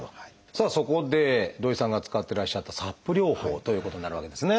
さあそこで土井さんが使ってらっしゃったＳＡＰ療法ということになるわけですね。